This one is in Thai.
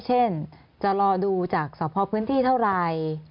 เช่นจะรอดูจากสอบพอพื้นที่เท่าไหร่